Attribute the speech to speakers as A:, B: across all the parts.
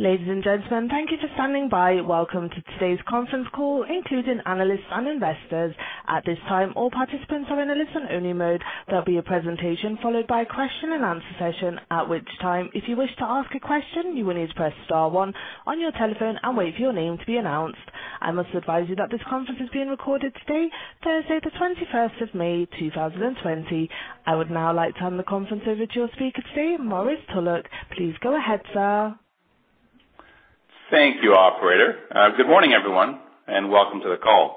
A: Ladies and gentlemen, thank you for standing by. Welcome to today's conference call, including analysts and investors. At this time, all participants are in a listen-only mode. There'll be a presentation followed by a question-and-answer session, at which time, if you wish to ask a question, you will need to press star one on your telephone and wait for your name to be announced. I must advise you that this conference is being recorded today, Thursday, the 21st of May, 2020. I would now like to hand the conference over to your speaker today, Maurice Tulloch. Please go ahead, sir.
B: Thank you, Operator. Good morning, everyone, and welcome to the call.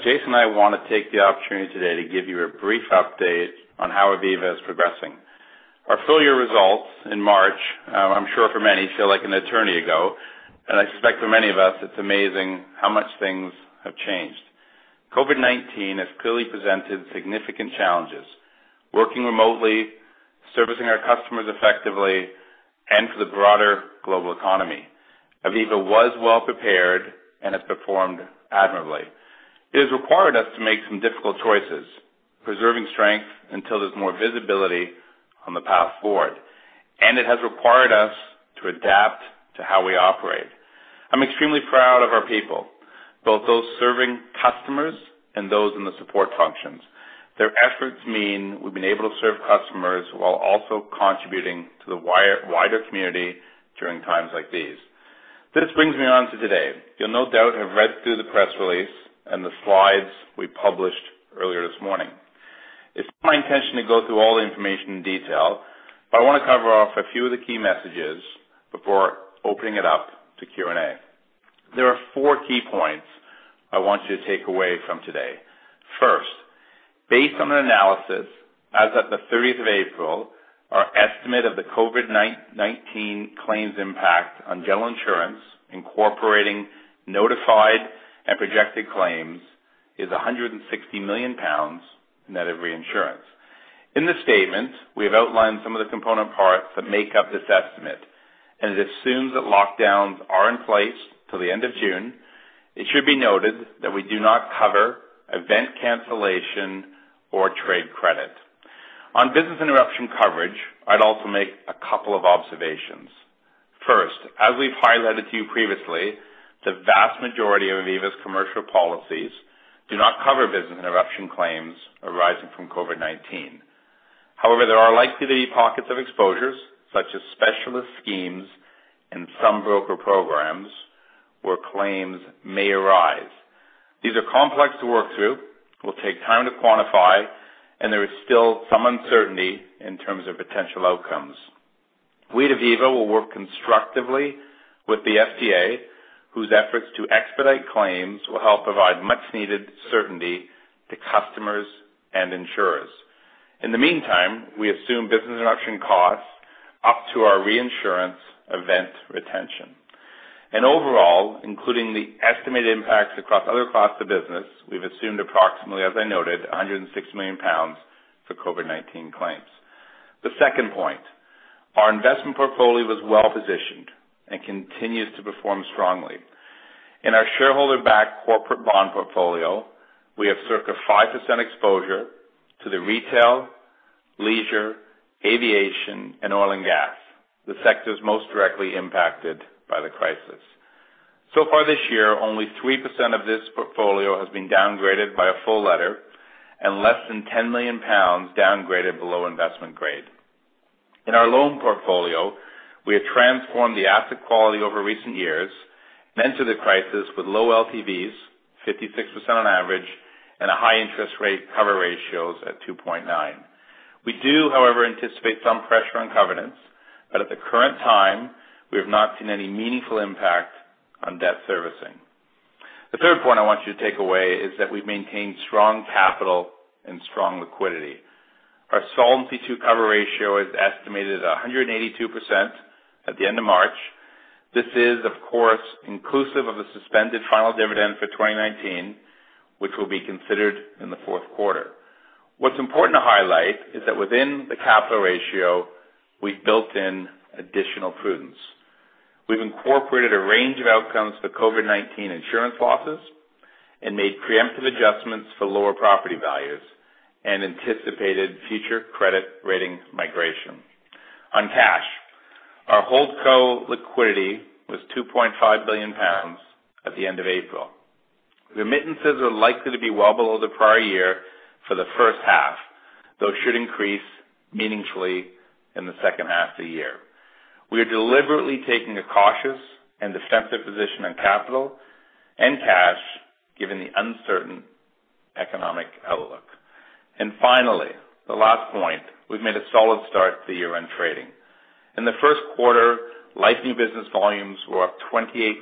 B: Jason and I want to take the opportunity today to give you a brief update on how Aviva is progressing. Our full-year results in March, I'm sure for many feel like an eternity ago, and I suspect for many of us, it's amazing how much things have changed. COVID-19 has clearly presented significant challenges. Working remotely, servicing our customers effectively, and for the broader global economy, Aviva was well-prepared and has performed admirably. It has required us to make some difficult choices, preserving strength until there's more visibility on the path forward, and it has required us to adapt to how we operate. I'm extremely proud of our people, both those serving customers and those in the support functions. Their efforts mean we've been able to serve customers while also contributing to the wider community during times like these. This brings me on to today. You'll no doubt have read through the press release and the slides we published earlier this morning. It's my intention to go through all the information in detail, but I want to cover off a few of the key messages before opening it up to Q&A. There are four key points I want you to take away from today. First, based on our analysis, as of the 30th of April, our estimate of the COVID-19 claims impact on general insurance, incorporating notified and projected claims, is 160 million pounds net of reinsurance. In the statement, we have outlined some of the component parts that make up this estimate, and it assumes that lockdowns are in place till the end of June. It should be noted that we do not cover event cancellation or trade credit. On business interruption coverage, I'd also make a couple of observations. First, as we've highlighted to you previously, the vast majority of Aviva's commercial policies do not cover business interruption claims arising from COVID-19. However, there are likely to be pockets of exposures, such as specialist schemes and some broker programs, where claims may arise. These are complex to work through, will take time to quantify, and there is still some uncertainty in terms of potential outcomes. We at Aviva will work constructively with the FCA, whose efforts to expedite claims will help provide much-needed certainty to customers and insurers. In the meantime, we assume business interruption costs up to our reinsurance event retention. Overall, including the estimated impacts across other parts of the business, we've assumed approximately, as I noted, 160 million pounds for COVID-19 claims. The second point: our investment portfolio was well-positioned and continues to perform strongly. In our shareholder-backed corporate bond portfolio, we have circa 5% exposure to the retail, leisure, aviation, and oil and gas, the sectors most directly impacted by the crisis. So far this year, only 3% of this portfolio has been downgraded by a full letter and less than 10 million pounds downgraded below investment grade. In our loan portfolio, we have transformed the asset quality over recent years, met the crisis with low LTVs, 56% on average, and a high interest rate cover ratios at 2.9. We do, however, anticipate some pressure on covenants, but at the current time, we have not seen any meaningful impact on debt servicing. The third point I want you to take away is that we've maintained strong capital and strong liquidity. Our Solvency II cover ratio is estimated at 182% at the end of March. This is, of course, inclusive of the suspended final dividend for 2019, which will be considered in the fourth quarter. What's important to highlight is that within the capital ratio, we've built in additional prudence. We've incorporated a range of outcomes for COVID-19 insurance losses and made preemptive adjustments for lower property values and anticipated future credit rating migration. On cash, our Holdco liquidity was 2.5 billion pounds at the end of April. Remittances are likely to be well below the prior year for the first half, though should increase meaningfully in the second half of the year. We are deliberately taking a cautious and defensive position on capital and cash, given the uncertain economic outlook. Finally, the last point: we've made a solid start to the year on trading. In the first quarter, L&H business volumes were up 28%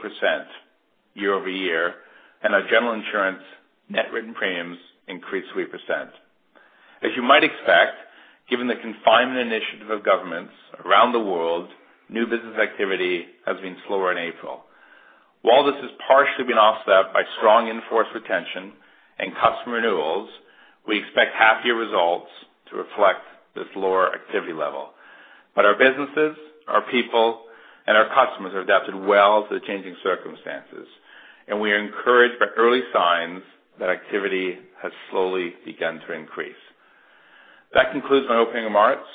B: year-over-year, and our general insurance net written premiums increased 3%. As you might expect, given the confinement initiative of governments around the world, new business activity has been slower in April. While this has partially been offset by strong in-force retention and customer renewals, we expect half-year results to reflect this lower activity level. But our businesses, our people, and our customers have adapted well to the changing circumstances, and we are encouraged by early signs that activity has slowly begun to increase. That concludes my opening remarks.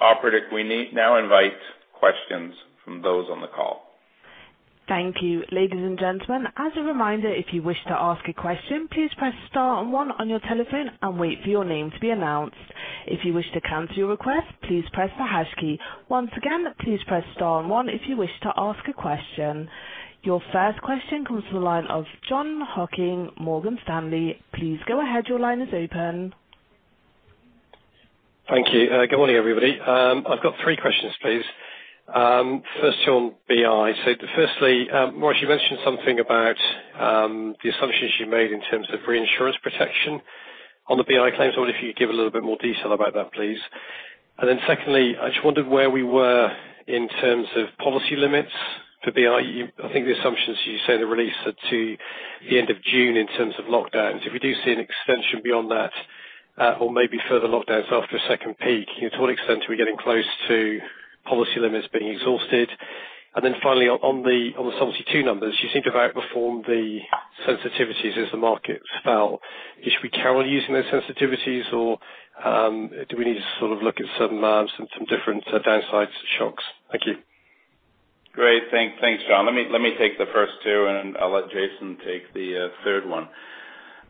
B: Operator, we can now invite questions from those on the call.
A: Thank you. Ladies and gentlemen, as a reminder, if you wish to ask a question, please press star one on your telephone and wait for your name to be announced. If you wish to cancel your request, please press the hash key. Once again, please press star one if you wish to ask a question. Your first question comes from the line of Jon Hocking of Morgan Stanley. Please go ahead. Your line is open.
C: Thank you. Good morning, everybody. I've got three questions, please. First, on BI. So firstly, Maurice, you mentioned something about the assumptions you made in terms of reinsurance protection on the BI claims. I wonder if you could give a little bit more detail about that, please. And then secondly, I just wondered where we were in terms of policy limits for BI. You, I think the assumptions you say in the release are to the end of June in terms of lockdowns. If we do see an extension beyond that, or maybe further lockdowns after a second peak, you know, to what extent are we getting close to policy limits being exhausted? And then finally, on the Solvency II numbers, you seem to have outperformed the sensitivities as the markets fell. Should we carry on using those sensitivities, or do we need to sort of look at some different downsides and shocks? Thank you.
B: Great. Thanks, John. Let me take the first two, and I'll let Jason take the third one.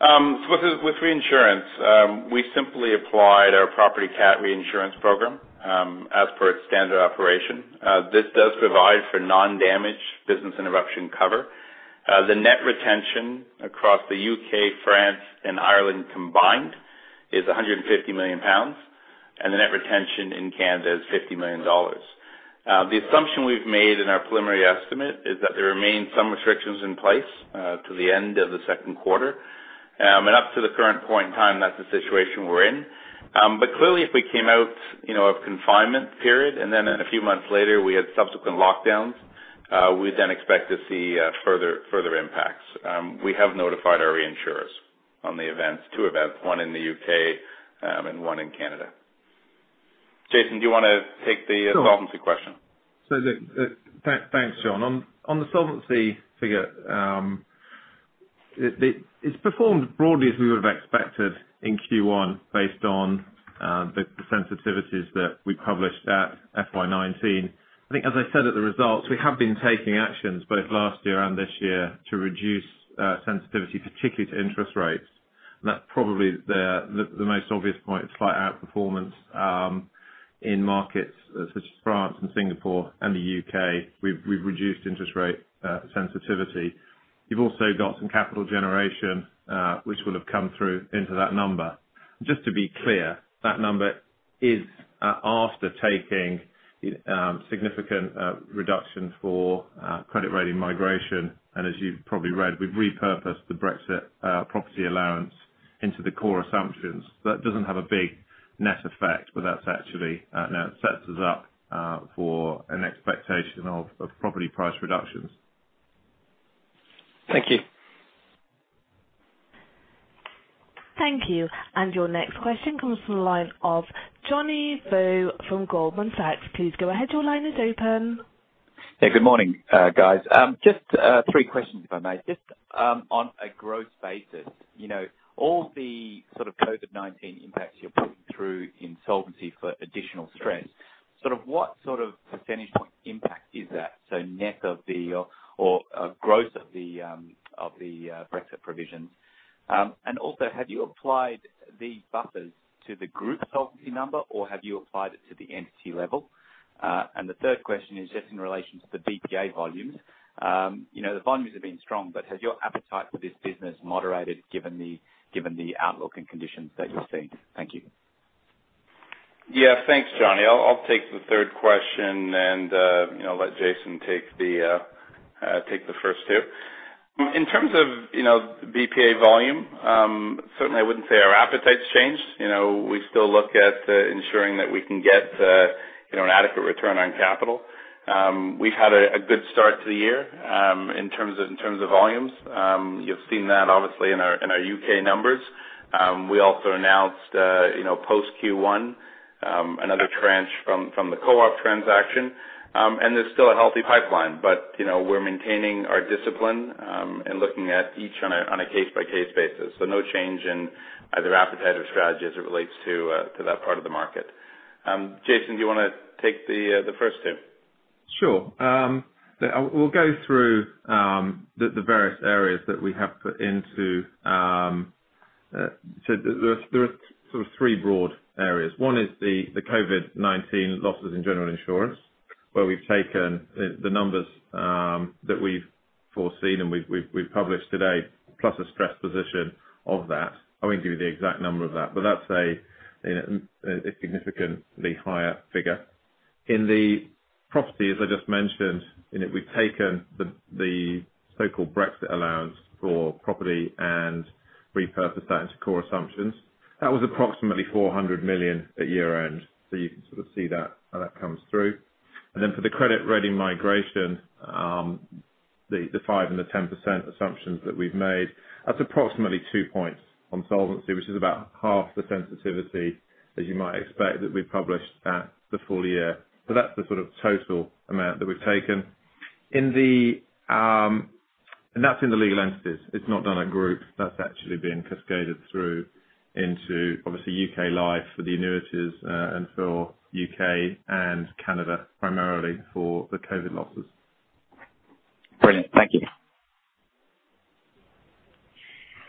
B: So with reinsurance, we simply applied our property cat reinsurance program, as per its standard operation. This does provide for non-damage business interruption cover. The net retention across the UK, France, and Ireland combined is 150 million pounds, and the net retention in Canada is $50 million. The assumption we've made in our preliminary estimate is that there remain some restrictions in place till the end of the second quarter. And up to the current point in time, that's the situation we're in. But clearly, if we came out, you know, of confinement period and then a few months later we had subsequent lockdowns, we then expect to see further impacts. We have notified our reinsurers on the events, two events, one in the UK, and one in Canada. Jason, do you want to take the,
D: Sure.
B: Solvency question?
D: So thanks, Jon. On the solvency figure, it's performed broadly as we would have expected in Q1 based on the sensitivities that we published at FY19. I think, as I said at the results, we have been taking actions both last year and this year to reduce sensitivity, particularly to interest rates. And that's probably the most obvious point: slight outperformance in markets such as France and Singapore and the UK. We've reduced interest rate sensitivity. You've also got some capital generation, which will have come through into that number. Just to be clear, that number is after taking a significant reduction for credit rating migration. And as you've probably read, we've repurposed the Brexit property allowance into the core assumptions. That doesn't have a big net effect, but that's actually now it sets us up for an expectation of property price reductions.
C: Thank you.
A: Thank you. And your next question comes from the line of Johnny Vo from Goldman Sachs. Please go ahead. Your line is open.
E: Yeah, good morning, guys. Just three questions, if I may. Just on a growth basis, you know, all the sort of COVID-19 impacts you're putting through in solvency for additional stress, sort of what sort of percentage point impact is that? So net of the, or, or, gross of the, of the Brexit provisions. And also, have you applied these buffers to the group solvency number, or have you applied it to the entity level? And the third question is just in relation to the BPA volumes. You know, the volumes have been strong, but has your appetite for this business moderated given the, given the outlook and conditions that you've seen? Thank you.
B: Yeah, thanks, Johnny. I'll take the third question and, you know, let Jason take the first two. In terms of, you know, BPA volume, certainly I wouldn't say our appetite's changed. You know, we still look at ensuring that we can get, you know, an adequate return on capital. We've had a good start to the year, in terms of volumes. You've seen that obviously in our UK numbers. We also announced, you know, post Q1, another tranche from the Co-op transaction. And there's still a healthy pipeline, but, you know, we're maintaining our discipline, and looking at each on a case-by-case basis. So no change in either appetite or strategy as it relates to that part of the market. Jason, do you want to take the first two?
D: Sure. We'll go through the various areas that we have put into, so there are sort of three broad areas. One is the COVID-19 losses in general insurance, where we've taken the numbers that we've foreseen and we've published today, plus a stress position of that. I won't give you the exact number of that, but that's, you know, a significantly higher figure. In the property, as I just mentioned, you know, we've taken the so-called Brexit allowance for property and repurposed that into core assumptions. That was approximately 400 million at year-end. So you can sort of see that, how that comes through. And then for the credit rating migration, the 5% and the 10% assumptions that we've made, that's approximately two points on solvency, which is about half the sensitivity as you might expect that we've published at the full year. That's the sort of total amount that we've taken. And that's in the legal entities. It's not done at groups. That's actually being cascaded through into, obviously, UK life for the annuities, and for UK and Canada, primarily for the COVID losses.
E: Brilliant. Thank you.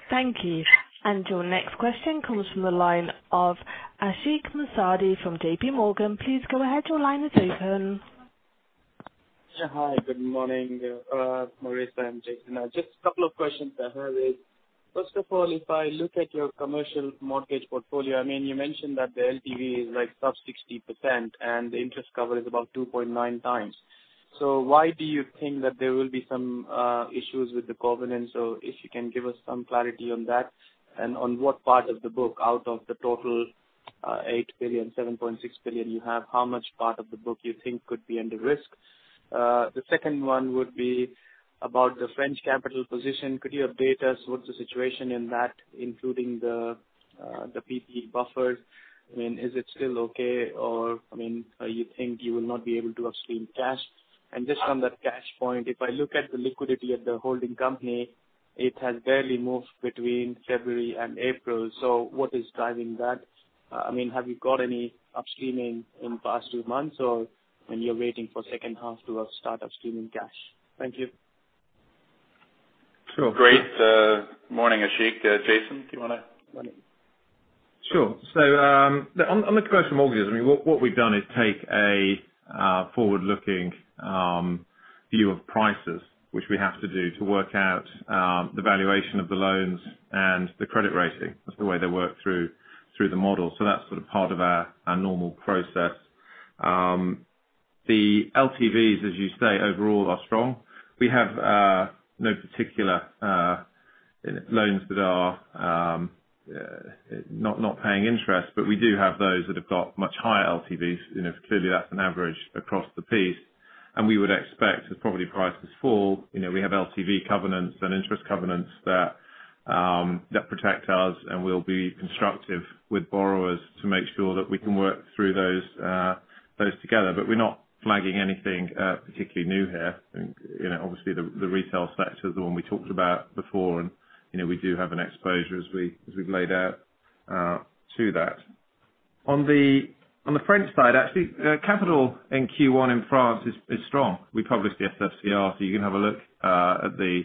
A: Thank you. And your next question comes from the line of Ashik Musaddi from J.P. Morgan. Please go ahead. Your line is open.
F: Yeah, hi. Good morning. Maurice, and Jason. Just a couple of questions I have is. First of all, if I look at your commercial mortgage portfolio, I mean, you mentioned that the LTV is like sub-60%, and the interest cover is about 2.9 times. So why do you think that there will be some issues with the covenants? So if you can give us some clarity on that and on what part of the book out of the total 8 billion, 7.6 billion you have, how much part of the book you think could be under risk? The second one would be about the French capital position. Could you update us what's the situation in that, including the PPE buffers? I mean, is it still okay, or I mean, you think you will not be able to upstream cash? Just on that cash point, if I look at the liquidity of the holding company, it has barely moved between February and April. What is driving that? I mean, have you got any upstreaming in the past few months, or, I mean, you're waiting for second half to start upstreaming cash? Thank you.
B: Sure. Good morning, Ashik. Jason, do you want to?
D: Sure. So, on the commercial mortgages, I mean, what we've done is take a forward-looking view of prices, which we have to do to work out the valuation of the loans and the credit rating. That's the way they work through the model. So that's sort of part of our normal process. The LTVs, as you say, overall are strong. We have no particular loans that are not paying interest, but we do have those that have got much higher LTVs. You know, clearly, that's an average across the piece. And we would expect as property prices fall, you know, we have LTV covenants and interest covenants that protect us, and we'll be constructive with borrowers to make sure that we can work through those together. But we're not flagging anything particularly new here. I mean, you know, obviously, the retail sector is the one we talked about before, and, you know, we do have an exposure as we, as we've laid out, to that. On the French side, actually, capital in Q1 in France is strong. We published the SFCR, so you can have a look at the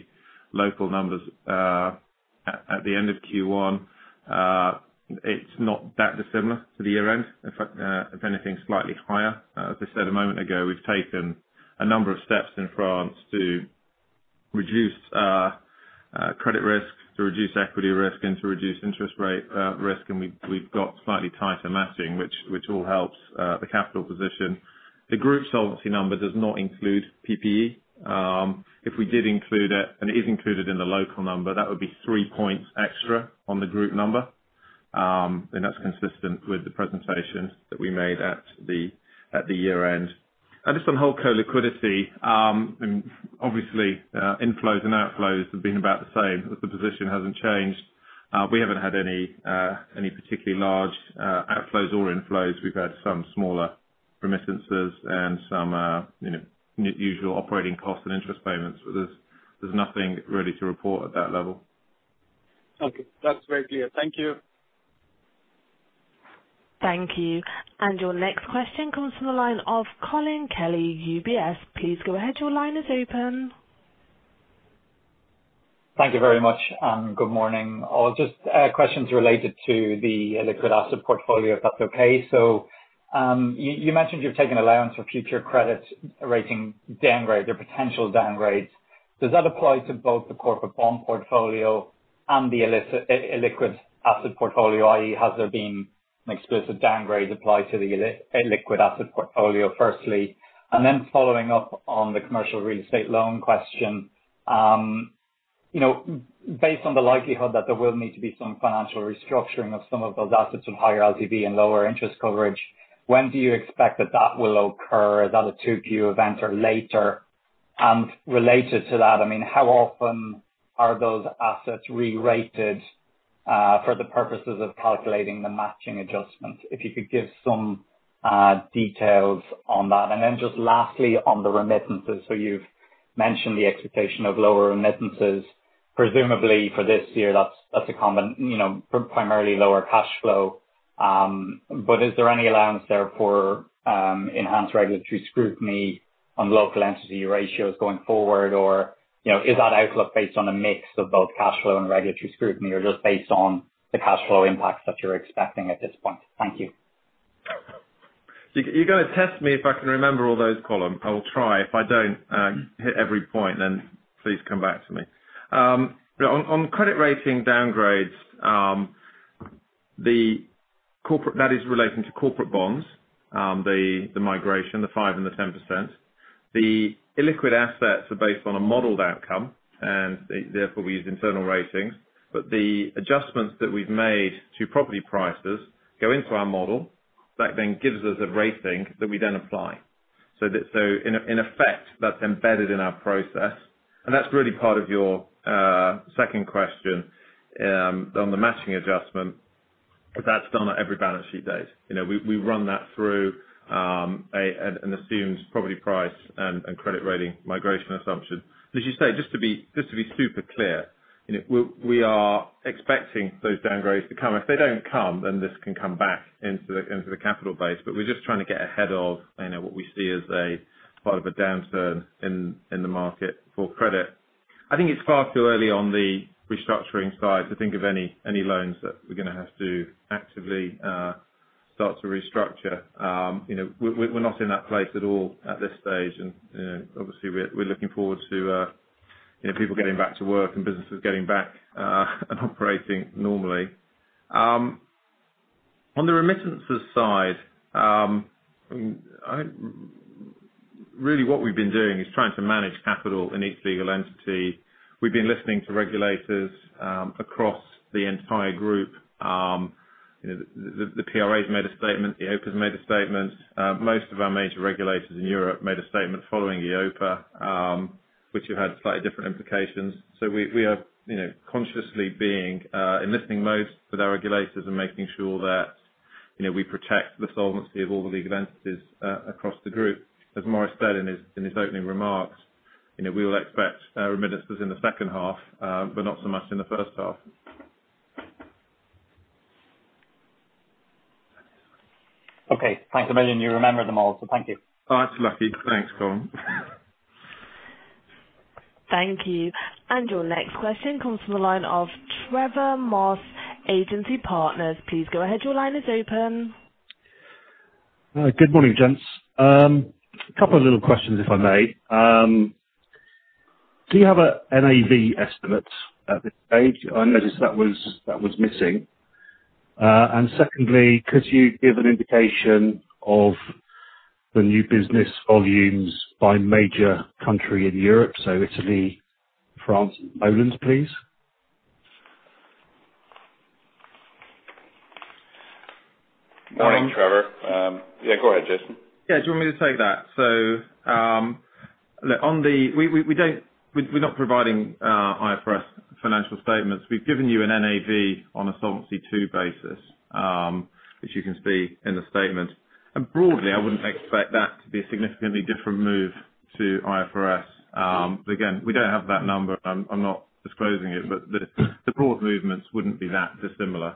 D: local numbers at the end of Q1. It's not that dissimilar to the year-end. In fact, if anything, slightly higher. As I said a moment ago, we've taken a number of steps in France to reduce credit risk, to reduce equity risk, and to reduce interest rate risk. And we've got slightly tighter matching, which all helps the capital position. The group solvency number does not include PPE. If we did include it, and it is included in the local number, that would be 3 points extra on the group number. That's consistent with the presentation that we made at the year-end. Just on hold-co liquidity, I mean, obviously, inflows and outflows have been about the same. The position hasn't changed. We haven't had any particularly large outflows or inflows. We've had some smaller remittances and some, you know, usual operating costs and interest payments, but there's nothing really to report at that level.
F: Okay. That's very clear. Thank you.
A: Thank you. Your next question comes from the line of Colm Kelly, UBS. Please go ahead. Your line is open.
G: Thank you very much, and good morning. Just questions related to the liquid asset portfolio, if that's okay. So, you mentioned you've taken allowance for future credit rating downgrade, the potential downgrades. Does that apply to both the corporate bond portfolio and the illiquid asset portfolio, i.e., has there been an explicit downgrade applied to the illiquid asset portfolio firstly? And then following up on the commercial real estate loan question, you know, based on the likelihood that there will need to be some financial restructuring of some of those assets with higher LTV and lower interest coverage, when do you expect that that will occur? Is that a two-view event or later? And related to that, I mean, how often are those assets re-rated, for the purposes of calculating the matching adjustments? If you could give some details on that. And then just lastly, on the remittances. So you've mentioned the expectation of lower remittances. Presumably, for this year, that's, that's a common, you know, primarily lower cash flow. But is there any allowance there for, enhanced regulatory scrutiny on local entity ratios going forward, or, you know, is that outlook based on a mix of both cash flow and regulatory scrutiny, or just based on the cash flow impacts that you're expecting at this point? Thank you.
D: You're gonna test me if I can remember all those columns. I will try. If I don't hit every point, then please come back to me. On credit rating downgrades, the corporate that is relating to corporate bonds, the migration, the 5% and the 10%. The illiquid assets are based on a modeled outcome, and therefore we use internal ratings. But the adjustments that we've made to property prices go into our model. That then gives us a rating that we then apply. So that, in effect, that's embedded in our process. And that's really part of your second question, on the matching adjustment, that's done at every balance sheet date. You know, we run that through an assumed property price and credit rating migration assumption. As you say, just to be, just to be super clear, you know, we, we are expecting those downgrades to come. If they don't come, then this can come back into the, into the capital base. But we're just trying to get ahead of, you know, what we see as a part of a downturn in, in the market for credit. I think it's far too early on the restructuring side to think of any, any loans that we're gonna have to actively, start to restructure. You know, we're, we're, we're not in that place at all at this stage. And, you know, obviously, we're, we're looking forward to, you know, people getting back to work and businesses getting back, and operating normally. On the remittances side, I mean, I really what we've been doing is trying to manage capital in each legal entity. We've been listening to regulators across the entire group. You know, the PRA's made a statement. EIOPA's made a statement. Most of our major regulators in Europe made a statement following EIOPA, which have had slightly different implications. So we are, you know, consciously being in listening mode with our regulators and making sure that, you know, we protect the solvency of all the legal entities across the group. As Maurice said in his opening remarks, you know, we will expect remittances in the second half, but not so much in the first half.
G: Okay. Thanks. You remember them all, so thank you.
B: Oh, that's lucky. Thanks, Colm
A: Thank you. And your next question comes from the line of Trevor Moss Agency Partners. Please go ahead. Your line is open.
H: Good morning, gents. A couple of little questions, if I may. Do you have a NAV estimate at this stage? I noticed that was, that was missing. And secondly, could you give an indication of the new business volumes by major country in Europe? So Italy, France, Poland, please.
B: Morning, Trevor. Yeah, go ahead, Jason.
D: Yeah, do you want me to take that? So, look, on the, we don't, we're not providing IFRS financial statements. We've given you an NAV on a Solvency II basis, which you can see in the statement. And broadly, I wouldn't expect that to be a significantly different move to IFRS. Again, we don't have that number, and I'm not disclosing it, but the broad movements wouldn't be that dissimilar,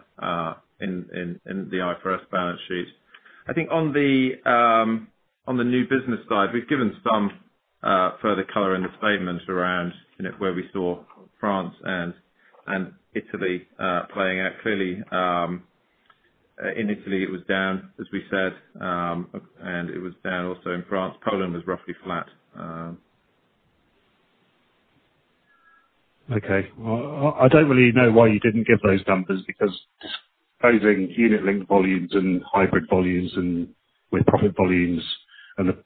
D: in the IFRS balance sheet. I think on the new business side, we've given some further color in the statement around, you know, where we saw France and Italy playing out. Clearly, in Italy, it was down, as we said, and it was down also in France. Poland was roughly flat. Okay.
H: Well, I don't really know why you didn't give those numbers because disclosing unit-linked volumes and hybrid volumes and with profit volumes and the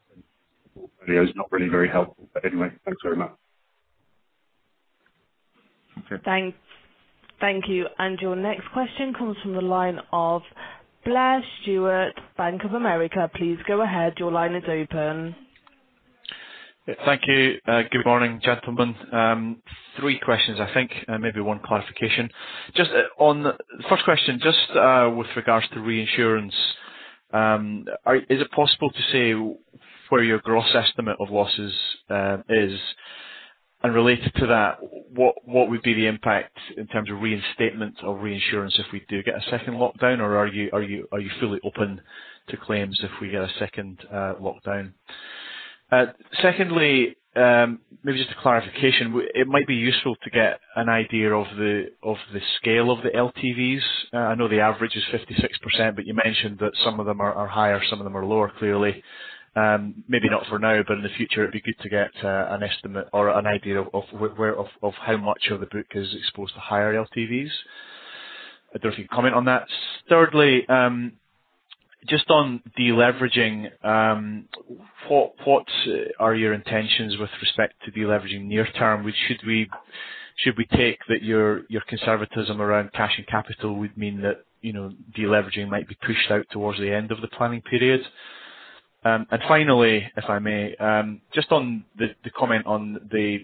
H: portfolio is not really very helpful. But anyway, thanks very much.
B: Okay.
A: Thanks. Thank you. And your next question comes from the line of Blair Stewart, Bank of America. Please go ahead. Your line is open.
I: Yeah, thank you. Good morning, gentlemen. Three questions, I think, and maybe one clarification. Just, on the first question, just, with regards to reinsurance, is it possible to say where your gross estimate of losses is? And related to that, what, what would be the impact in terms of reinstatement or reinsurance if we do get a second lockdown, or are you, are you, are you fully open to claims if we get a second lockdown? Secondly, maybe just a clarification, it might be useful to get an idea of the scale of the LTVs. I know the average is 56%, but you mentioned that some of them are higher, some of them are lower, clearly. Maybe not for now, but in the future, it'd be good to get an estimate or an idea of how much of the book is exposed to higher LTVs. I don't know if you can comment on that. Thirdly, just on deleveraging, what are your intentions with respect to deleveraging near term? Should we take that your conservatism around cash and capital would mean that, you know, deleveraging might be pushed out towards the end of the planning period? And finally, if I may, just on the comment on the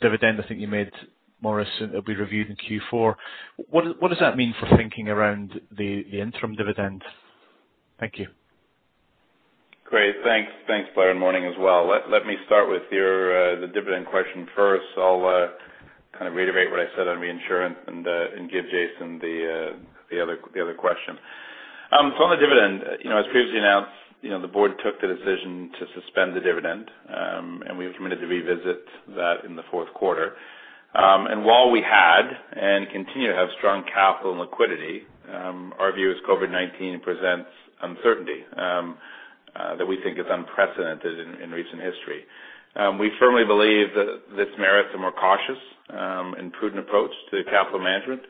I: dividend, I think you made, Maurice, and it'll be reviewed in Q4. What does that mean for thinking around the interim dividend? Thank you.
B: Great. Thanks. Thanks, Blair. And morning as well. Let me start with your, the dividend question first. I'll kind of reiterate what I said on reinsurance and give Jason the other question. On the dividend, you know, as previously announced, you know, the board took the decision to suspend the dividend, and we've committed to revisit that in the fourth quarter. While we had and continue to have strong capital and liquidity, our view is COVID-19 presents uncertainty that we think is unprecedented in recent history. We firmly believe that this merits a more cautious and prudent approach to capital management,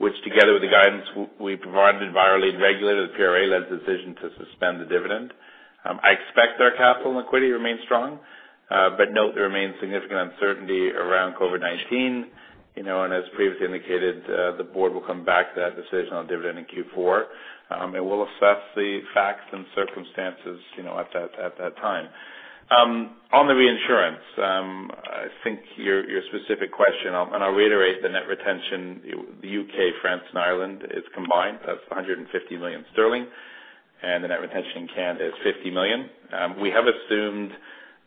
B: which together with the guidance we provided by our lead regulator, the PRA, led to the decision to suspend the dividend. I expect our capital and liquidity to remain strong, but note there remains significant uncertainty around COVID-19. You know, and as previously indicated, the board will come back to that decision on dividend in Q4. And we'll assess the facts and circumstances, you know, at that, at that time. On the reinsurance, I think your specific question, I'll and I'll reiterate the net retention, the UK, France, and Ireland is combined. That's 150 million sterling, and the net retention in Canada is 50 million. We have assumed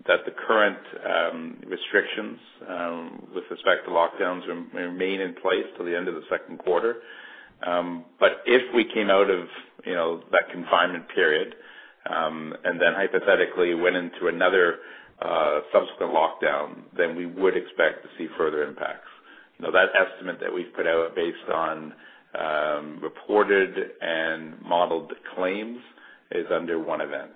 B: that the current restrictions, with respect to lockdowns will remain in place till the end of the second quarter. But if we came out of, you know, that confinement period, and then hypothetically went into another, subsequent lockdown, then we would expect to see further impacts. You know, that estimate that we've put out based on reported and modeled claims is under one event.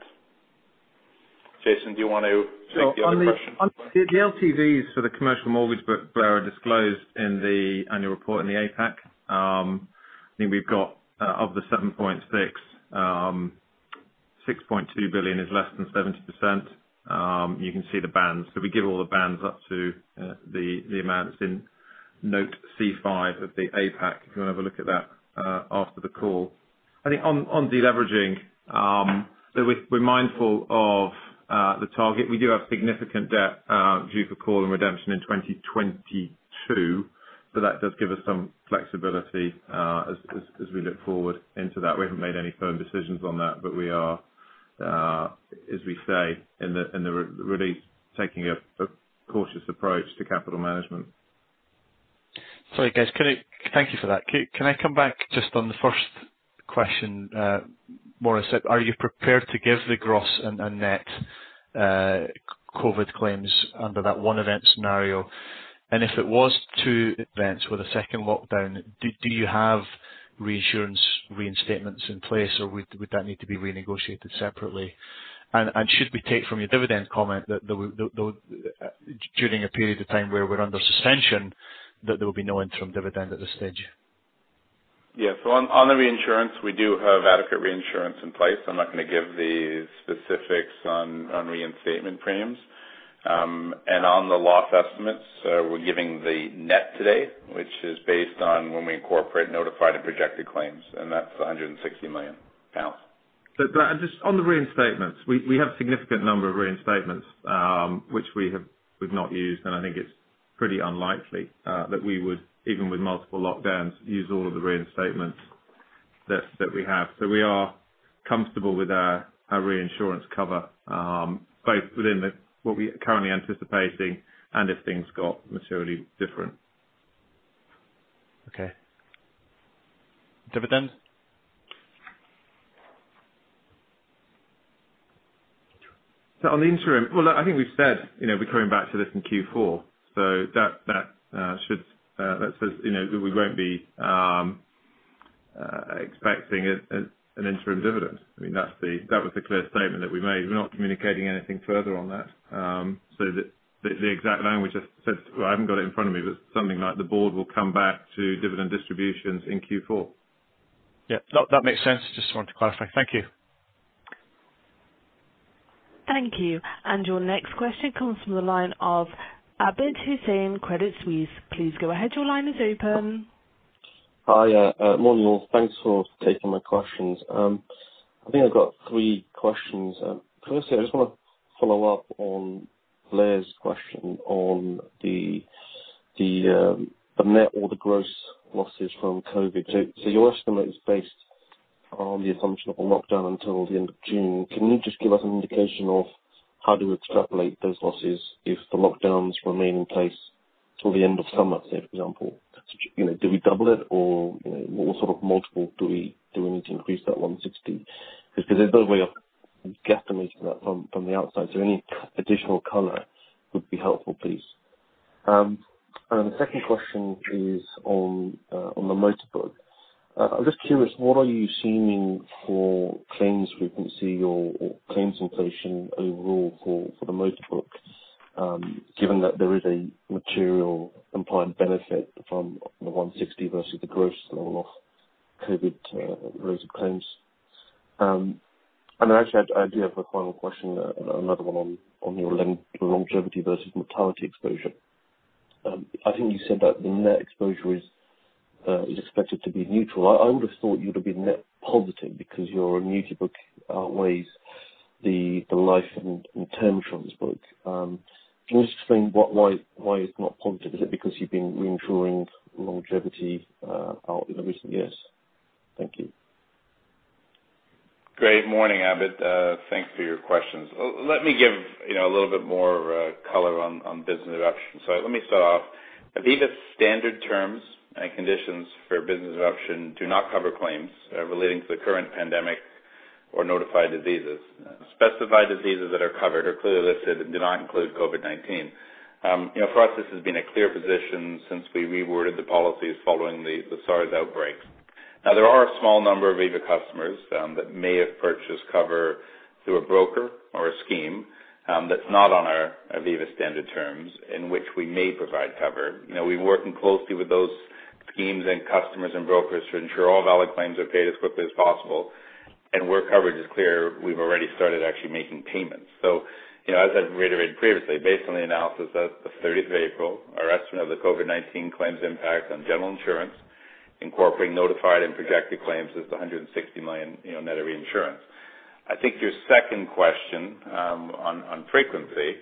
B: Jason, do you want to take the other question? So on the LTVs for the commercial mortgage book, Blair, are disclosed in the annual report in the APAC. I think we've got, of the 7.6 billion, 6.2 billion is less than 70%. You can see the bands. We give all the bands up to the amounts in note C5 of the APAC if you want to have a look at that, after the call. I think on deleveraging, we're mindful of the target. We do have significant debt, due for call and redemption in 2022, so that does give us some flexibility, as we look forward into that. We haven't made any firm decisions on that, but we are, as we say, in the re-release, taking a cautious approach to capital management.
I: Sorry, guys. Can I thank you for that. Can I come back just on the first question, Maurice? Are you prepared to give the gross and net COVID claims under that one event scenario? And if it was two events with a second lockdown, do you have reinsurance reinstatements in place, or would that need to be renegotiated separately? And should we take from your dividend comment that there would, during a period of time where we're under suspension, be no interim dividend at this stage?
B: Yeah. So on, on the reinsurance, we do have adequate reinsurance in place. I'm not gonna give the specifics on, on reinstatement premiums. And on the loss estimates, we're giving the net today, which is based on when we incorporate notified and projected claims, and that's 160 million pounds. But I'm just on the reinstatements. We have a significant number of reinstatements, which we've not used, and I think it's pretty unlikely that we would, even with multiple lockdowns, use all of the reinstatements that we have. So we are comfortable with our reinsurance cover, both within the what we're currently anticipating and if things got materially different.
I: Okay. Dividend?
B: So on the interim, well, I think we've said, you know, we're coming back to this in Q4, so that says, you know, that we won't be expecting an interim dividend. I mean, that was the clear statement that we made. We're not communicating anything further on that. So the exact language I said, well, I haven't got it in front of me, but something like the board will come back to dividend distributions in Q4.
I: Yeah. That, that makes sense. Just wanted to clarify. Thank you.
A: Thank you. Your next question comes from the line of Abid Hussain from Credit Suisse. Please go ahead. Your line is open.
J: Hi, morning all. Thanks for taking my questions. I think I've got three questions. Firstly, I just want to follow up on Blair's question on the net or the gross losses from COVID. So your estimate is based on the assumption of a lockdown until the end of June. Can you just give us an indication of how do we extrapolate those losses if the lockdowns remain in place till the end of summer, say, for example? You know, do we double it, or, you know, what sort of multiple do we need to increase that 160? Because there's no way of guesstimating that from the outside. So any additional color would be helpful, please. Then the second question is on the motorbook. I'm just curious, what are you seeing for claims frequency or, or claims inflation overall for, for the motorbook, given that there is a material implied benefit from the 160 versus the gross level of COVID-related claims? And then actually, I, I do have a final question, another one on, on your longevity versus mortality exposure. I think you said that the net exposure is, is expected to be neutral. I, I would have thought you would have been net positive because your annuity book with the life and term assurance book. Can you just explain what, why, why it's not positive? Is it because you've been reinsuring longevity out in the recent years? Thank you.
B: Great. Morning, Abid. Thanks for your questions. Let me give, you know, a little bit more color on business interruption. So let me start off. I believe the standard terms and conditions for business interruption do not cover claims relating to the current pandemic or notified diseases. Specified diseases that are covered are clearly listed and do not include COVID-19. You know, for us, this has been a clear position since we reworded the policies following the SARS outbreak. Now, there are a small number of Aviva customers that may have purchased cover through a broker or a scheme that's not on our Aviva standard terms in which we may provide cover. You know, we've been working closely with those schemes and customers and brokers to ensure all valid claims are paid as quickly as possible, and where coverage is clear, we've already started actually making payments. So, you know, as I've reiterated previously, based on the analysis of the 30th of April, our estimate of the COVID-19 claims impact on general insurance incorporating notified and projected claims is the 160 million, you know, net of reinsurance. I think your second question, on frequency,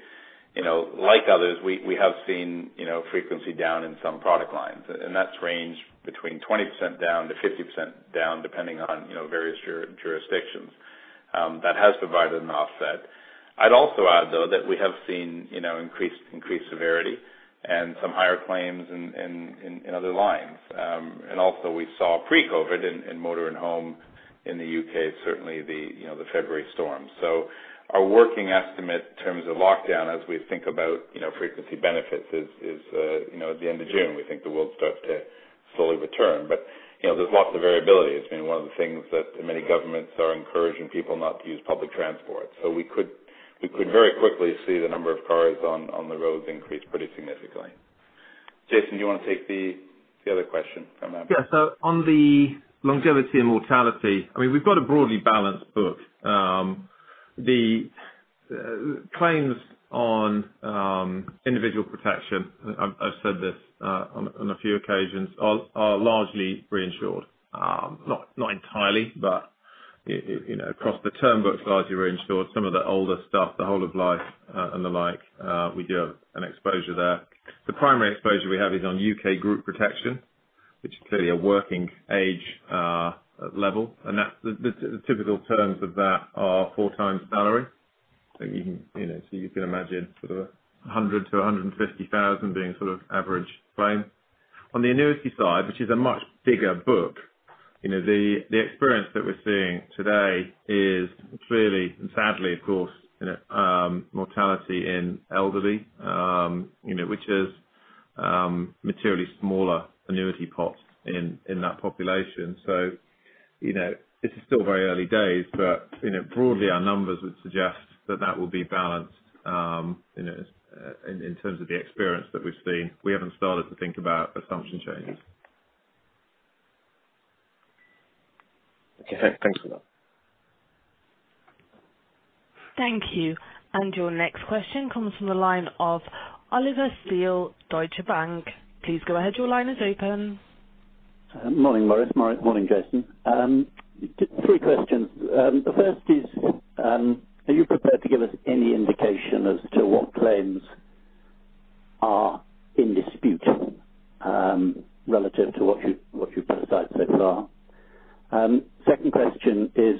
B: you know, like others, we have seen, you know, frequency down in some product lines, and that's ranged between 20%-50% down depending on, you know, various jurisdictions. That has provided an offset. I'd also add, though, that we have seen, you know, increased severity and some higher claims in other lines. And also, we saw pre-COVID in motor and home in the UK, certainly the, you know, the February storm. So our working estimate in terms of lockdown, as we think about, you know, frequency benefits, is, you know, at the end of June, we think the world starts to slowly return. But, you know, there's lots of variability. It's been one of the things that many governments are encouraging people not to use public transport. So we could very quickly see the number of cars on the roads increase pretty significantly. Jason, do you want to take the other question from that?
D: Yeah. So on the longevity and mortality, I mean, we've got a broadly balanced book. The claims on individual protection, I've said this on a few occasions, are largely reinsured. Not entirely, but in, you know, across the term books, largely reinsured. Some of the older stuff, the whole of life, and the like, we do have an exposure there. The primary exposure we have is on UK group protection, which is clearly a working-age level, and that's the typical terms of that are four times salary. So you can, you know, imagine sort of 100-150 thousand being sort of average claim. On the annuity side, which is a much bigger book, you know, the experience that we're seeing today is clearly, and sadly, of course, you know, mortality in elderly, you know, which is materially smaller annuity pot in that population. So, you know, it's still very early days, but, you know, broadly, our numbers would suggest that that will be balanced, you know, in terms of the experience that we've seen. We haven't started to think about assumption changes.
J: Okay. Thanks for that.
A: Thank you. Your next question comes from the line of Oliver Steele, Deutsche Bank. Please go ahead. Your line is open.
K: Morning, Maurice. Morning, Jason. Three questions. The first is, are you prepared to give us any indication as to what claims are in dispute, relative to what you've put aside so far? Second question is,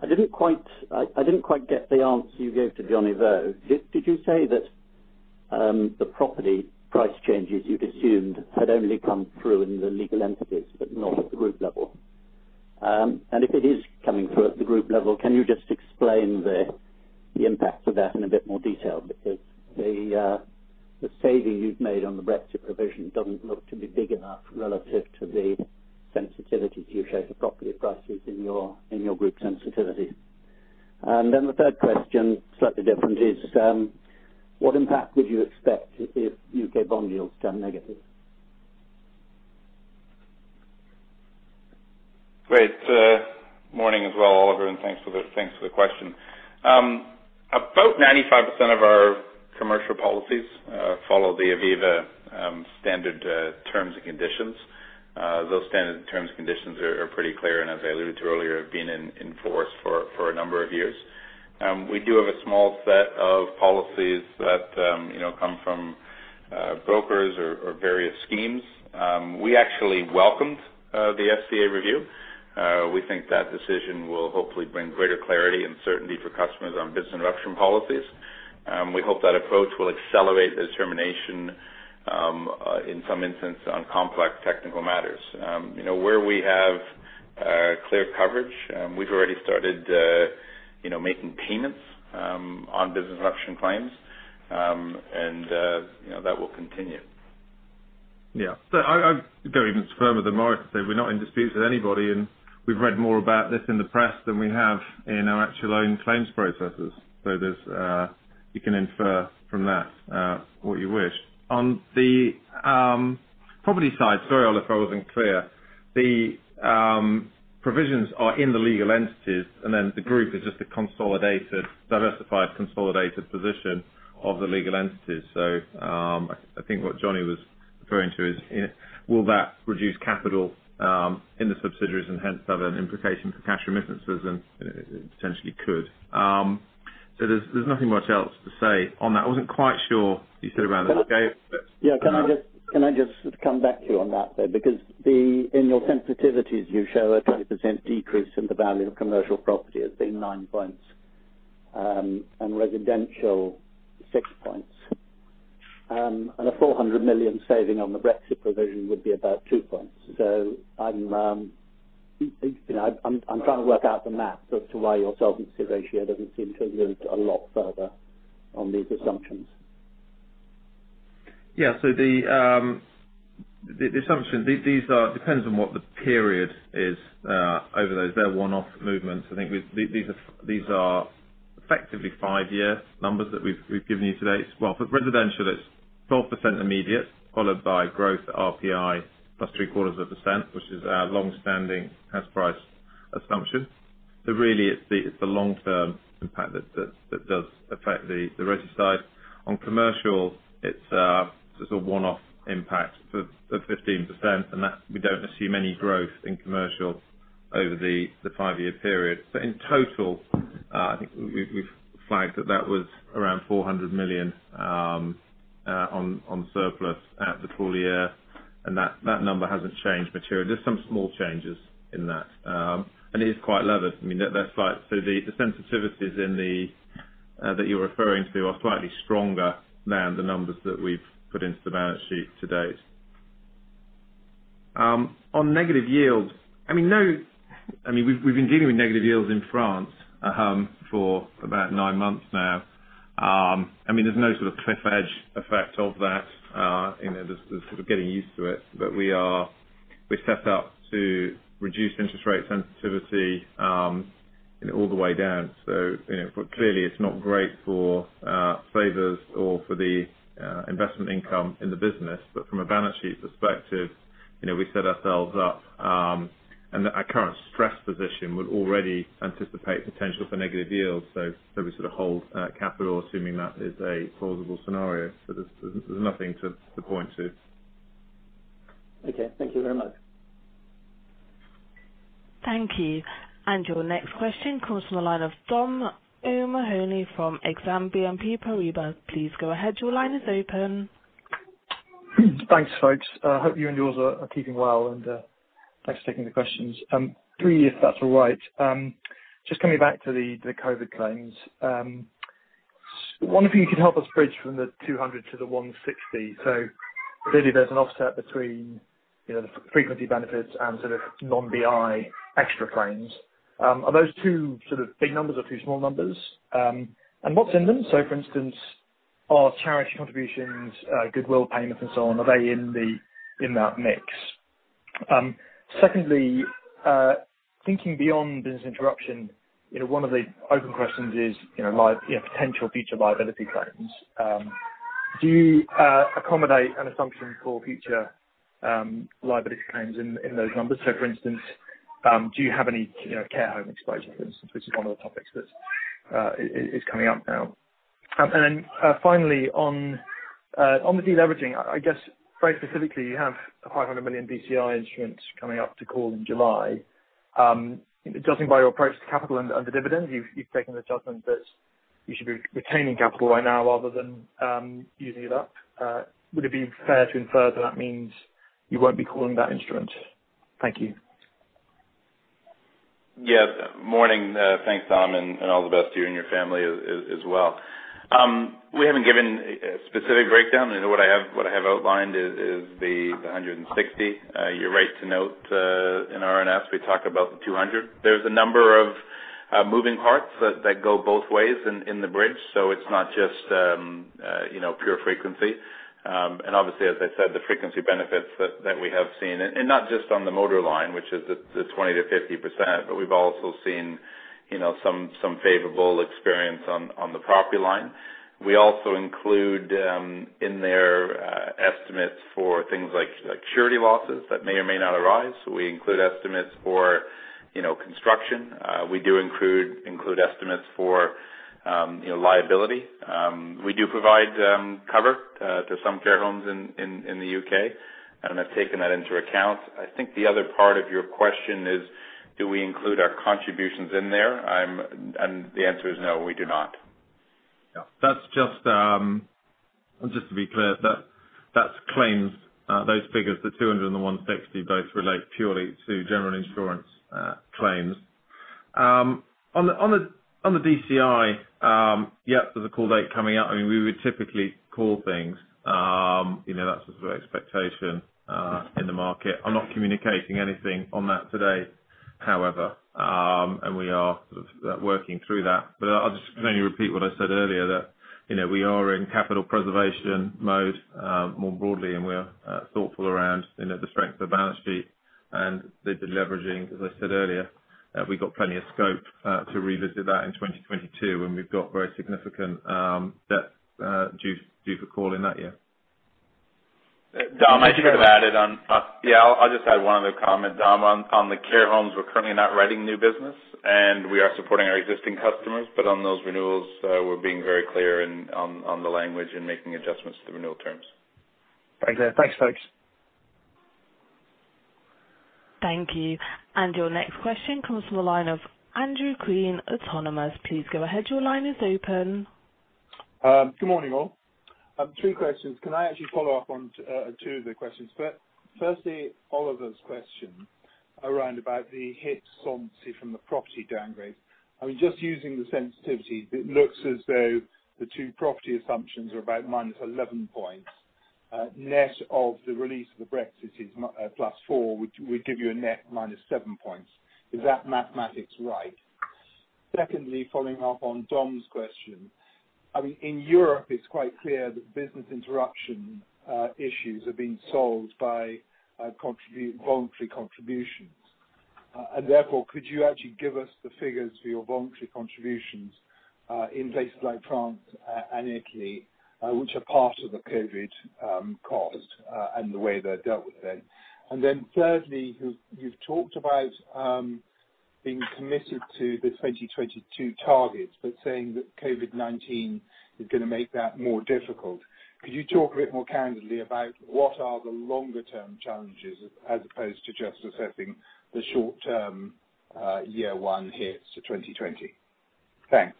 K: I didn't quite get the answer you gave to Johnny Vo. Did you say that the property price changes you'd assumed had only come through in the legal entities but not at the group level? And if it is coming through at the group level, can you just explain the impact of that in a bit more detail because the saving you've made on the Brexit provision doesn't look to be big enough relative to the sensitivity you show to property prices in your group sensitivity? And then the third question, slightly different, is, what impact would you expect if UK bond yields turn negative?
B: Good morning as well, Oliver, and thanks for the, thanks for the question about 95% of our commercial policies follow the Aviva standard terms and conditions. Those standard terms and conditions are pretty clear, and as I alluded to earlier, have been in force for a number of years. We do have a small set of policies that, you know, come from brokers or various schemes. We actually welcomed the FCA review. We think that decision will hopefully bring greater clarity and certainty for customers on business interruption policies. We hope that approach will accelerate the determination, in some instances on complex technical matters. You know, where we have clear coverage, we've already started, you know, making payments on business interruption claims, and, you know, that will continue. Yeah. So I, I go even further than Maurice to say we're not in disputes with anybody, and we've read more about this in the press than we have in our actual own claims processes. So there's, you can infer from that, what you wish. On the, property side, sorry, Oliver, I wasn't clear. The, provisions are in the legal entities, and then the group is just a consolidated, diversified, consolidated position of the legal entities. So, I, I think what Johnny was referring to is, you know, will that reduce capital, in the subsidiaries and hence have an implication for cash remittances and, you know, it, it potentially could. So there's, there's nothing much else to say on that. I wasn't quite sure you said about the scale, but.
K: Yeah. Can I just, can I just come back to you on that, though, because the, in your sensitivities, you show a 20% decrease in the value of commercial property as being 9 points, and residential 6 points. And a 400 million saving on the Brexit provision would be about 2 points. So I'm, you know, I'm, I'm trying to work out the math as to why your solvency ratio doesn't seem to have moved a lot further on these assumptions.
D: Yeah. So the assumption, these depend on what the period is, over those. They're one-off movements. I think we, these are effectively five-year numbers that we've given you today. It's, well, for residential, it's 12% immediate, followed by growth RPI plus 0.75%, which is our longstanding house price assumption. So really, it's the long-term impact that does affect the resi side. On commercial, it's a one-off impact for 15%, and that we don't assume any growth in commercial over the five-year period. But in total, I think we, we've flagged that that was around 400 million on surplus at the full year, and that number hasn't changed materially. There's some small changes in that, and it is quite levered. I mean, that's like, so the sensitivities in the that you're referring to are slightly stronger than the numbers that we've put into the balance sheet to date. On negative yields, I mean, no, I mean, we've been dealing with negative yields in France for about nine months now. I mean, there's no sort of cliff edge effect of that, you know, there's sort of getting used to it, but we're set up to reduce interest rate sensitivity, you know, all the way down. So, you know, but clearly, it's not great for savers or for the investment income in the business. But from a balance sheet perspective, you know, we set ourselves up, and our current stress position would already anticipate potential for negative yields. So we sort of hold capital, assuming that is a plausible scenario. So there's nothing to point to.
K: Okay. Thank you very much.
A: Thank you. And your next question comes from the line of Dominic O'Mahony from Exane BNP Paribas. Please go ahead. Your line is open.
L: Thanks, folks. Hope you and yours are keeping well, and thanks for taking the questions. Three, if that's all right, just coming back to the COVID claims. One of you could help us bridge from the 200 to the 160. So clearly, there's an offset between, you know, the frequency benefits and sort of non-BI extra claims. Are those two sort of big numbers or two small numbers? And what's in them? So, for instance, are charity contributions, goodwill payments, and so on, in that mix? Secondly, thinking beyond business interruption, you know, one of the open questions is, you know, potential future liability claims. Do you accommodate an assumption for future liability claims in those numbers? So, for instance, do you have any, you know, care home exposure, for instance, which is one of the topics that is coming up now? And then, finally, on the deleveraging, I guess, very specifically, you have a 500 million DCI instrument coming up to call in July. Judging by your approach to capital and the dividend, you've taken the judgment that you should be retaining capital right now rather than using it up. Would it be fair to infer that that means you won't be calling that instrument? Thank you.
B: Yeah. Morning, thanks, Dom, and all the best to you and your family as well. We haven't given a specific breakdown. You know, what I have outlined is the 160. You're right to note, in RNS, we talk about the 200. There's a number of moving parts that go both ways in the bridge, so it's not just, you know, pure frequency. And obviously, as I said, the frequency benefits that we have seen, and not just on the motor line, which is the 20%-50%, but we've also seen, you know, some favorable experience on the property line. We also include in there estimates for things like surety losses that may or may not arise. We include estimates for, you know, construction. We do include estimates for, you know, liability. We do provide cover to some care homes in the UK, and I've taken that into account. I think the other part of your question is, do we include our contributions in there? And the answer is no, we do not.
D: Yeah. That's just, just to be clear, that that's claims, those figures, the 200 and the 160, both relate purely to general insurance claims. On the, on the, on the DCI, yep, there's a call date coming up. I mean, we would typically call things. You know, that's the sort of expectation, in the market. I'm not communicating anything on that today, however, and we are sort of, working through that. But I'll just, just only repeat what I said earlier, that, you know, we are in capital preservation mode, more broadly, and we are, thoughtful around, you know, the strength of balance sheet and the, the leveraging, as I said earlier. We got plenty of scope, to revisit that in 2022, and we've got very significant, debts, due, due for calling that year.
B: Dom, I should have added on, yeah, I'll just add one other comment, Dom. On the care homes, we're currently not writing new business, and we are supporting our existing customers, but on those renewals, we're being very clear on the language and making adjustments to the renewal terms.
L: Very clear. Thanks, folks.
A: Thank you. And your next question comes from the line of Andrew Crean, Autonomous. Please go ahead. Your line is open.
M: Good morning, all. Three questions. Can I actually follow up on two of the questions? First, firstly, Oliver's question around about the hit solvency from the property downgrade. I mean, just using the sensitivities, it looks as though the two property assumptions are about -11 points. Net of the release of the Brexit is +4, which would give you a net -7 points. Is that mathematics right? Secondly, following up on Dom's question, I mean, in Europe, it's quite clear that business interruption issues have been solved by voluntary contributions. And therefore, could you actually give us the figures for your voluntary contributions in places like France and Italy, which are part of the COVID cost, and the way they're dealt with then? And then thirdly, you've talked about being committed to the 2022 targets but saying that COVID-19 is going to make that more difficult. Could you talk a bit more candidly about what are the longer-term challenges as opposed to just assessing the short-term, year one hits for 2020? Thanks.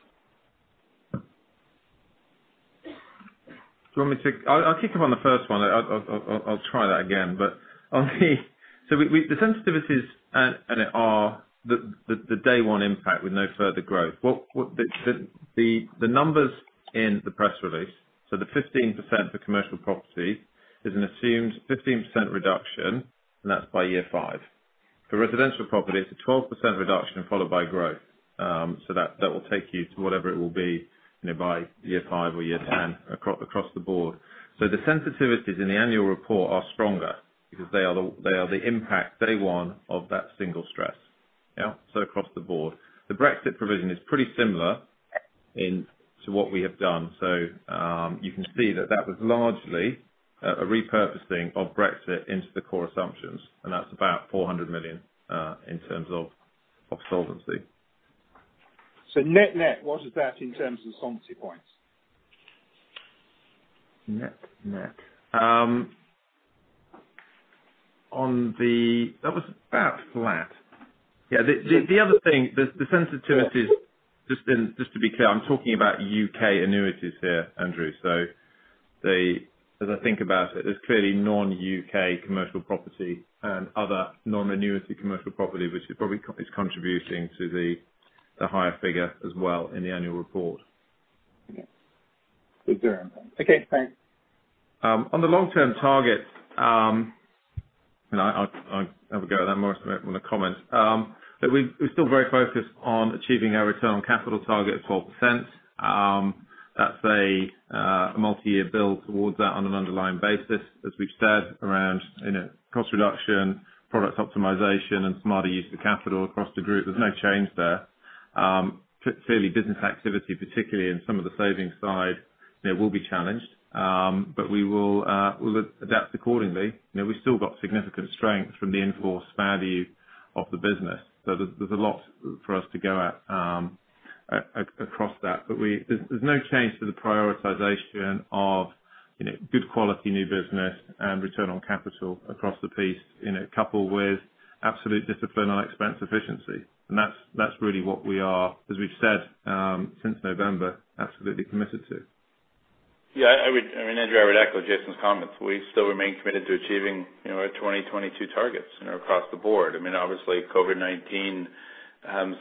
D: Do you want me to? I'll kick off on the first one. I'll try that again, but on the sensitivities and it is the day one impact with no further growth. The numbers in the press release, so the 15% for commercial property is an assumed 15% reduction, and that's by year five. For residential property, it's a 12% reduction followed by growth. So that will take you to whatever it will be, you know, by year five or year 10 across the board. So the sensitivities in the annual report are stronger because they are the impact day one of that single stress, yeah, so across the board. The Brexit provision is pretty similar to what we have done. So, you can see that that was largely a repurposing of Brexit into the core assumptions, and that's about 400 million in terms of solvency.
M: So net, net, what is that in terms of solvency points?
D: Net, net. On the, that was about flat. Yeah. The other thing, the sensitivities, just to be clear, I'm talking about UK annuities here, Andrew. So as I think about it, there's clearly non-UK commercial property and other non-annuity commercial property, which is probably contributing to the higher figure as well in the annual report. On the long-term target, and I'll have a go at that more on the comments. But we're still very focused on achieving our return on capital target of 12%. That's a multi-year build towards that on an underlying basis, as we've said, around, you know, cost reduction, product optimization, and smarter use of capital across the group. There's no change there. Clearly, business activity, particularly in some of the savings side, you know, will be challenged. But we'll adapt accordingly. You know, we've still got significant strength from the enforced value of the business. So there's a lot for us to go at, across that, but there's no change to the prioritization of, you know, good quality new business and return on capital across the piece, you know, coupled with absolute discipline on expense efficiency. That's, that's really what we are, as we've said, since November, absolutely committed to.
B: Yeah. I mean, Andrew, I would echo Jason's comments. We still remain committed to achieving, you know, our 2022 targets, you know, across the board. I mean, obviously, COVID-19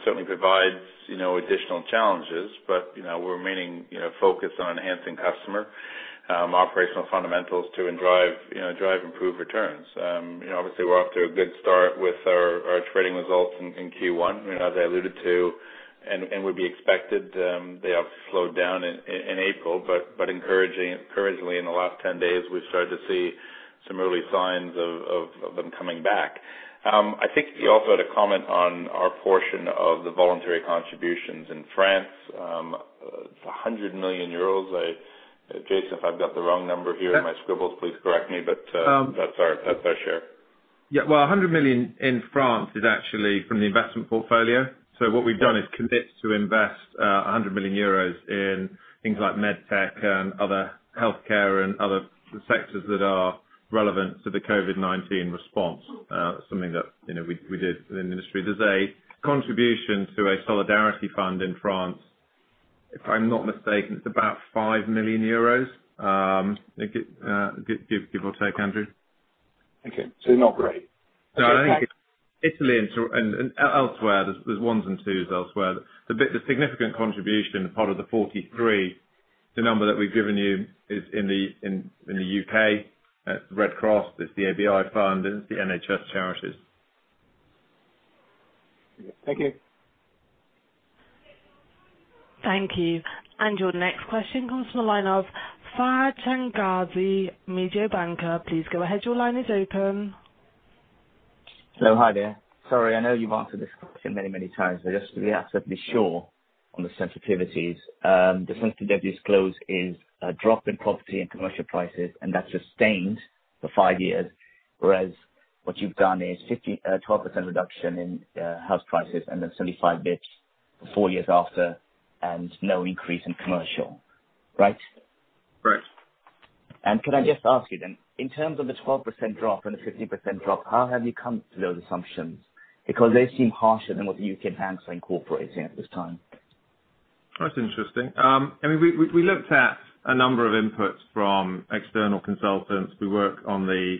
B: certainly provides, you know, additional challenges, but, you know, we're remaining, you know, focused on enhancing customer operational fundamentals to and drive, you know, improved returns. You know, obviously, we're off to a good start with our trading results in Q1, you know, as I alluded to, and as would be expected, they have slowed down in April, but encouragingly, in the last 10 days, we've started to see some early signs of them coming back. I think you also had a comment on our portion of the voluntary contributions in France. It's 100 million euros. I, Jason, if I've got the wrong number here in my scribbles, please correct me, but that's our, that's our share.
D: Yeah. Well, 100 million in France is actually from the investment portfolio. So what we've done is commit to invest 100 million euros in things like med tech and other healthcare and other sectors that are relevant to the COVID-19 response, something that, you know, we did within the industry. There's a contribution to a solidarity fund in France. If I'm not mistaken, it's about 5 million euros, give or take, Andrew.
M: Okay. So not great.
D: No, I think Italy and elsewhere, there's ones and twos elsewhere. The big, the significant contribution part of the 43, the number that we've given you is in the UK, Red Cross, there's the ABI fund, and it's the NHS charities.
C: Thank you.
A: Thank you. And your next question comes from the line of Fahad Changazi, Mediobanca. Please go ahead. Your line is open.
N: Hello, hi there. Sorry, I know you've answered this question many, many times, but just to be absolutely sure on the sensitivities, the sensitivity disclosed is a drop in property and commercial prices, and that's sustained for 5 years, whereas what you've done is 15-12% reduction in house prices and then 75 bps four years after and no increase in commercial, right?
D: Correct.
N: Can I just ask you then, in terms of the 12% drop and the 15% drop, how have you come to those assumptions? Because they seem harsher than what the UK banks are incorporating at this time. That's interesting. I mean, we looked at a number of inputs from external consultants. We work on the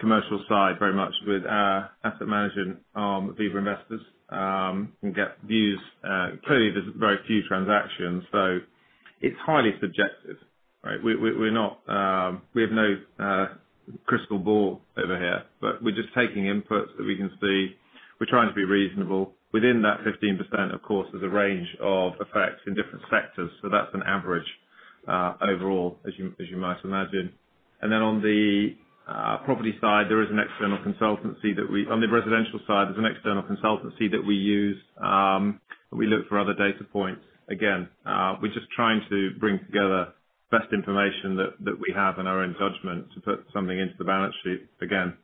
N: commercial side very much with our asset management, Aviva Investors, and get views. Clearly, there's very few transactions, so it's highly subjective, right? We're not, we have no crystal ball over here, but we're just taking inputs that we can see. We're trying to be reasonable. Within that 15%, of course, there's a range of effects in different sectors, so that's an average, overall, as you might imagine. And then on the property side, there is an external consultancy that we use on the residential side, there's an external consultancy that we use, and we look for other data points. Again, we're just trying to bring together best information that we have in our own judgment to put something into the balance sheet. Again,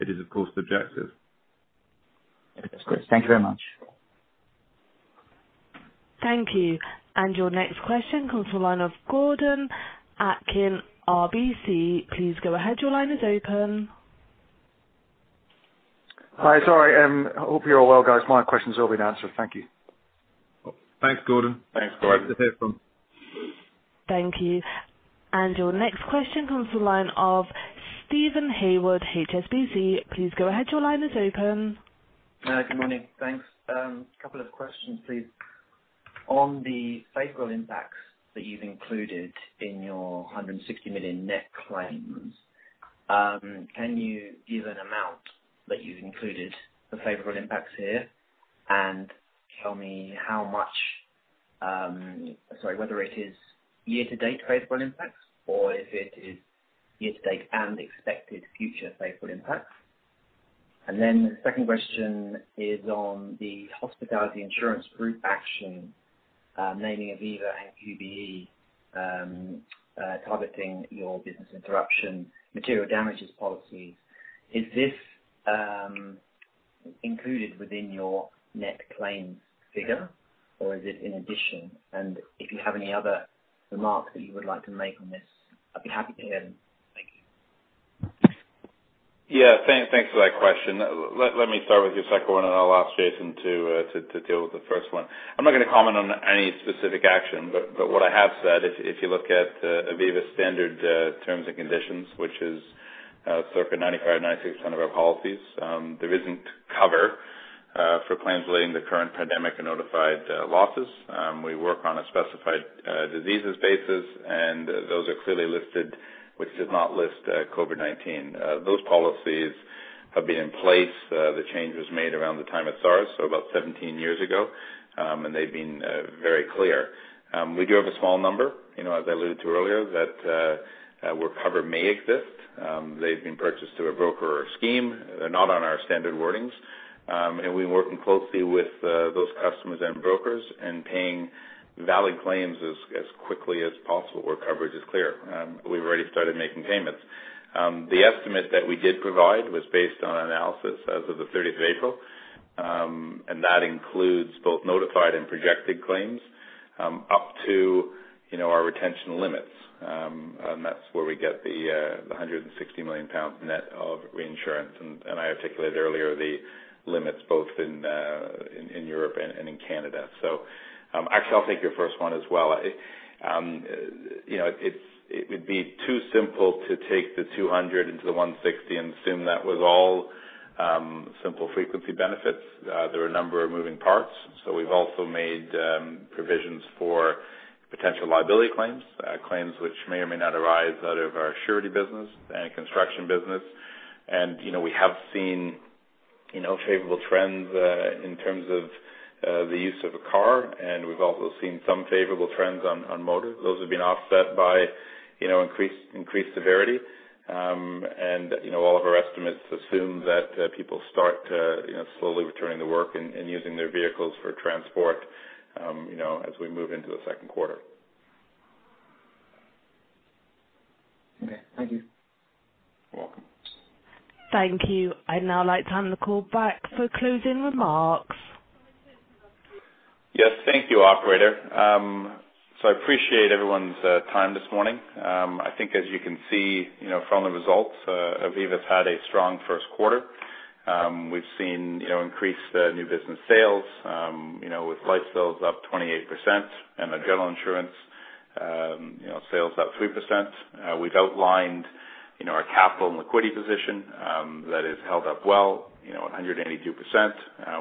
N: it is, of course, subjective. That's great. Thank you very much.
A: Thank you. Your next question comes from the line of Gordon Aitken, RBC. Please go ahead. Your line is open.
O: Hi, sorry. Hope you're all well, guys. My questions all been answered. Thank you.
B: Thanks, Gordon.
D: Thanks, Gordon.
A: Thank you. And your next question comes from the line of Steven Haywood, HSBC. Please go ahead. Your line is open.
P: Good morning. Thanks. Couple of questions, please. On the favorable impacts that you've included in your 160 million net claims, can you give an amount that you've included for favorable impacts here and tell me how much, sorry, whether it is year-to-date favorable impacts or if it is year-to-date and expected future favorable impacts? And then the second question is on the hospitality insurance group action, naming of Aviva and QBE, targeting your business interruption material damages policies. Is this included within your net claims figure, or is it in addition? And if you have any other remarks that you would like to make on this, I'd be happy to hear them. Thank you.
B: Yeah. Thanks for that question. Let me start with your second one, and I'll ask Jason to deal with the first one. I'm not going to comment on any specific action, but what I have said, if you look at Aviva's standard terms and conditions, which is circa 95%-96% of our policies, there isn't cover for claims relating to the current pandemic and notified losses. We work on a specified diseases basis, and those are clearly listed, which does not list COVID-19. Those policies have been in place. The change was made around the time of SARS, so about 17 years ago, and they've been very clear. We do have a small number, you know, as I alluded to earlier, that where cover may exist. They've been purchased through a broker or a scheme. They're not on our standard wordings. We're working closely with those customers and brokers and paying valid claims as quickly as possible where coverage is clear. We've already started making payments. The estimate that we did provide was based on analysis as of the 30th of April, and that includes both notified and projected claims, up to, you know, our retention limits. And that's where we get the 160 million pounds net of reinsurance. And I articulated earlier the limits both in Europe and in Canada. So, actually, I'll take your first one as well. You know, it would be too simple to take the 200 million into the 160 million and assume that was all simple frequency benefits. There are a number of moving parts, so we've also made provisions for potential liability claims, claims which may or may not arise out of our surety business and construction business. You know, we have seen, you know, favorable trends in terms of the use of a car, and we've also seen some favorable trends on motor. Those have been offset by, you know, increased severity. You know, all of our estimates assume that people start, you know, slowly returning to work and using their vehicles for transport, you know, as we move into the second quarter.
P: Okay. Thank you.
B: You're welcome.
A: Thank you. I'd now like to hand the call back for closing remarks.
B: Yes. Thank you, Operator. So I appreciate everyone's time this morning. I think, as you can see, you know, from the results, Aviva's had a strong first quarter. We've seen, you know, increased new business sales, you know, with life sales up 28% and the general insurance, you know, sales up 3%. We've outlined, you know, our capital and liquidity position, that has held up well, you know, at 182%.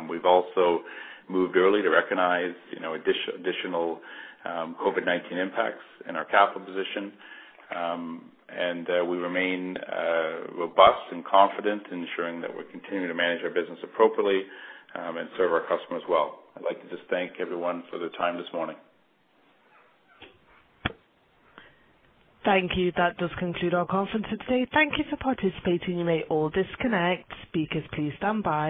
B: We've also moved early to recognize, you know, additional COVID-19 impacts in our capital position. And we remain robust and confident in ensuring that we're continuing to manage our business appropriately, and serve our customers well. I'd like to just thank everyone for their time this morning.
A: Thank you. That does conclude our conference for today. Thank you for participating. You may all disconnect. Speakers please stand by.